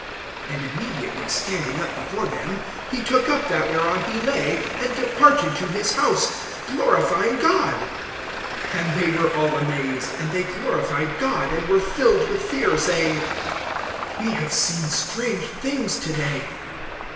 (25)And immediately standing up before them, he took up that whereon he lay, and departed to his house, glorifying God. (26)And they were all amazed; and they glorified God, and were filled with fear, saying: We have seen strange things to day.